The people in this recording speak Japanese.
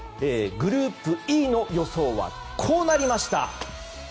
グループＥの予想はこうなりました！